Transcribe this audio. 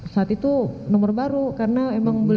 saat itu nomor baru karena emang belum pernah punya